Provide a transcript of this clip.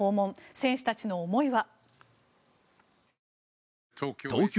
選手たちの思いは。